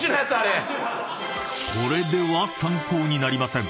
［これでは参考になりません］